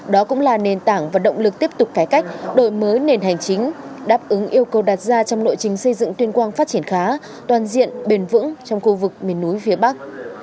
đó cũng là nền tảng và động lực tiếp tục cải cách đổi mới nền hành chính đáp ứng yêu cầu đặt ra trong lộ trình xây dựng tuyên quang phát triển khá toàn diện bền vững trong khu vực miền núi phía bắc